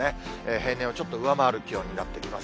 平年をちょっと上回る気温になってきます。